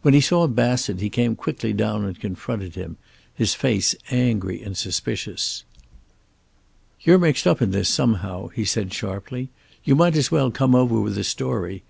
When he saw Bassett he came quickly down and confronted him, his face angry and suspicious. "You're mixed up in this somehow," he said sharply. "You might as well come over with the story.